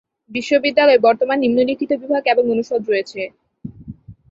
বিশ্ববিদ্যালয়ে বর্তমানে নিম্নলিখিত বিভাগ এবং অনুষদ রয়েছে।